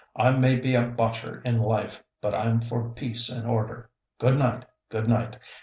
I may be a botcher in life, but I'm for peace and order. Good night, good night.